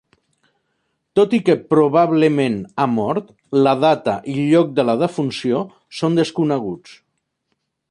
Tot i que probablement ha mort, la data i lloc de la defunció són desconeguts.